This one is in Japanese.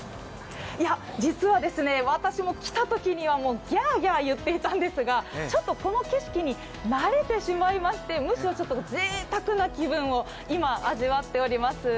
実は私も、来たときにはギャーギャー言っていたんですが、ちょっとこの景色に慣れてしまいましてむしろぜいたくな気分を今、味わっております。